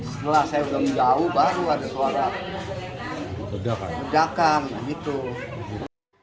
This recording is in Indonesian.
setelah saya udah menjauh baru ada suara pedakang gitu